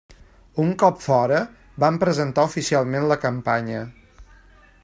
Un cop fora, van presentar oficialment la campanya.